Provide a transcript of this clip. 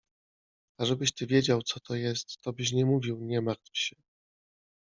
— A żebyś ty wiedział, co to jest, to byś nie mówił „nie martw się”.